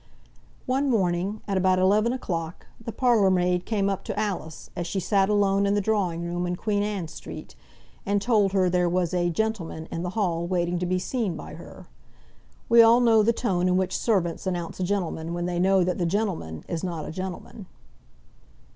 One morning, at about eleven o'clock the parlour maid came up to Alice, as she sat alone in the drawing room in Queen Anne Street, and told her there was a "gentleman" in the hall waiting to be seen by her. We all know the tone in which servants announce a gentleman when they know that the gentleman is not a gentleman.